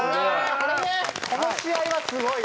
この試合はすごいです。